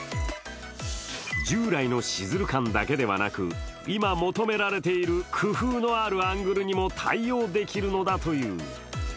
従来のシズル感だけではなく今、求められている工夫のあるアングルにも対応できるのだという。